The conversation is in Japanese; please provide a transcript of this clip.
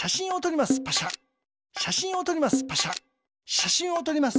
しゃしんをとります。